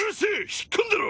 引っ込んでろ！